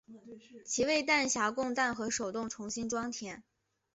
其为弹匣供弹和手动重新装填。